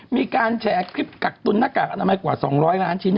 มีการแชร์คลิปกักตุนหน้ากากอนามัยกว่า๒๐๐ล้านชิ้น